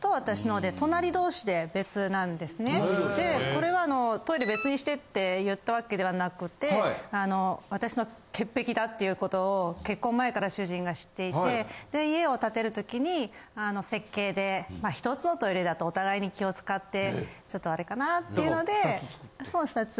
これはトイレ別にしてって言ったわけではなくて私の潔癖だっていうことを結婚前から主人が知っていて家を建てるときに設計で１つのトイレだとお互いに気をつかってちょっとあれかな？っていうので２つ。